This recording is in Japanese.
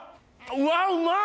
うわうまい！